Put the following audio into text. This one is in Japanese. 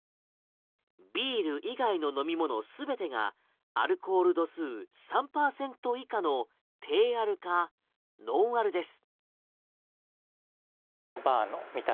ビール以外の飲み物を全てがアルコール度数３％以下の低アルか、ノンアルです。